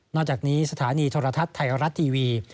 จากนี้สถานีโทรทัศน์ไทยรัฐทีวี